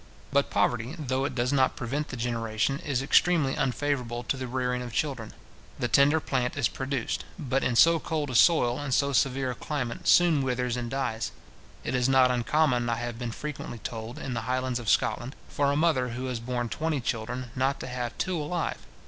But poverty, though it does not prevent the generation, is extremely unfavourable to the rearing of children. The tender plant is produced; but in so cold a soil, and so severe a climate, soon withers and dies. It is not uncommon, I have been frequently told, in the Highlands of Scotland, for a mother who has born twenty children not to have two alive.